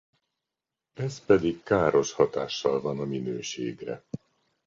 Ez pedig káros hatással van a minőségre.